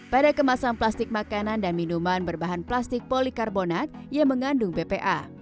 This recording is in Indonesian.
pada kemasan plastik makanan dan minuman berbahan plastik polikarbonat yang mengandung bpa